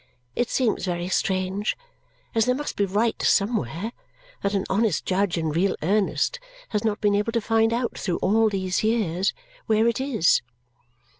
It seems very strange, as there must be right somewhere, that an honest judge in real earnest has not been able to find out through all these years where it is."